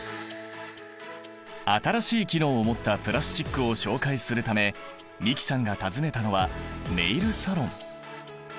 新しい機能を持ったプラスチックを紹介するため美樹さんが訪ねたのはネイルサロン。